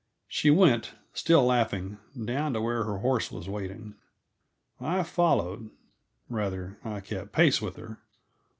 She went, still laughing, down to where her horse was waiting. I followed rather, I kept pace with her.